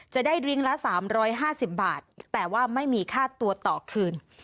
จะได้ริ้งละ๓๕๐บาทแต่ว่าไม่มีค่าตัวต่อคืน